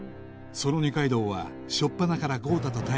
その二階堂は初っぱなから豪太と対立